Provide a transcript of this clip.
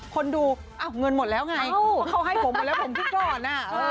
คนดูเอ้าเงินหมดแล้วไงเขาให้ผมหมดแล้วผมขึ้นก่อนอ่ะ